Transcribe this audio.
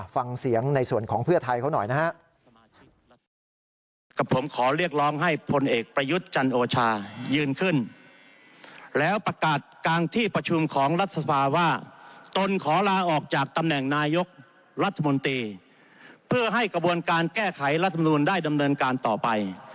ฟังเสียงในส่วนของเพื่อไทยเขาหน่อยนะฮะ